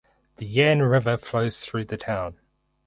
The Yan River flows through the town.